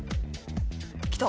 来た！